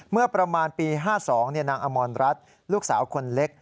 เมื่อประมาณปี๕๒นางอมรรัฐลูกสาวคนเล็ก